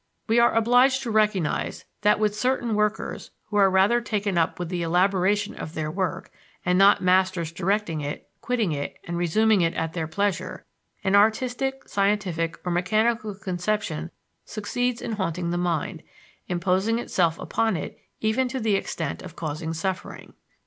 We are obliged to recognize "that with certain workers who are rather taken up with the elaboration of their work, and not masters directing it, quitting it, and resuming it at their pleasure an artistic, scientific, or mechanical conception succeeds in haunting the mind, imposing itself upon it even to the extent of causing suffering."